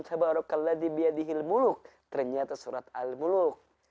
ternyata surat al muluk